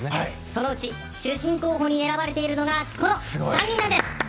そのうち主審候補に選ばれているのがこの３人なんです。